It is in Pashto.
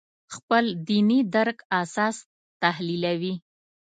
خپل دیني درک اساس تحلیلوي.